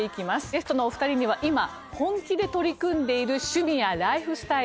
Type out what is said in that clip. ゲストのお二人には今本気で取り組んでいる趣味やライフスタイル